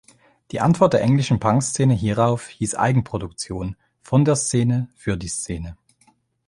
Die Antwort der englischen Punk-Szene hierauf hieß Eigenproduktion, „von der Szene für die Szene“.